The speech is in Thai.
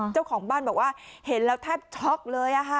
เจ้าของบ้านบอกว่าเห็นแล้วแทบช็อกเลย